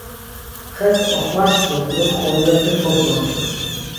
Xes oxvaşkvinu do qomurepe kodvabğu.